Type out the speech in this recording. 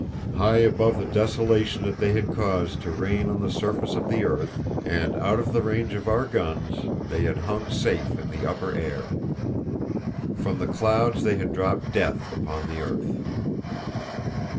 High above the desolation that they had caused to reign on the surface of the earth, and, out of the range of our guns, they had hung safe in the upper air. From the clouds they had dropped death upon the earth.